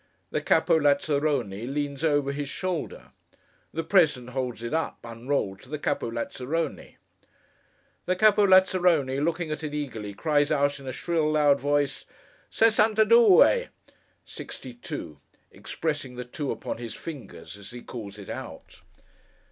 The Capo Lazzarone leans over his shoulder. The President holds it up, unrolled, to the Capo Lazzarone. The Capo Lazzarone, looking at it eagerly, cries out, in a shrill, loud voice, 'Sessantadue!' (sixty two), expressing the two upon his fingers, as he calls it out.